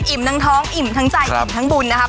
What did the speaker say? ทั้งท้องอิ่มทั้งใจอิ่มทั้งบุญนะครับ